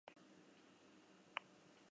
Bestalde, atxilotuaren etxebizitza miatu zuten.